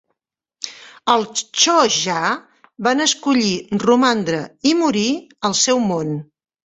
Els Cho'ja van escollir romandre i morir al seu mon.